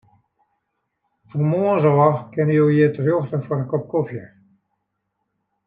Fan moarns ôf kinne jo hjir terjochte foar in kop kofje.